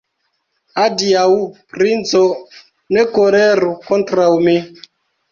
Adiaŭ, princo, ne koleru kontraŭ mi!